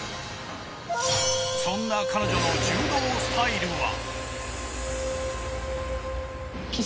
そんな彼女の柔道スタイルは。